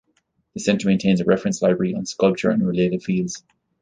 The Center maintains a reference library on sculpture and related fields.